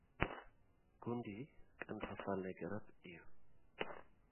ጒንዲ፡ ቀንዲ ክፋል ናይ ገረብ እዩ።